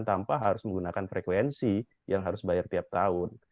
tanpa harus menggunakan frekuensi yang harus bayar tiap tahun